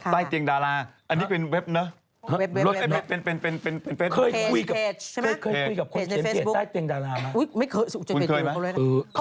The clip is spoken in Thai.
ใต้เตียงดาราอันนี้เป็นเว็บเนอะ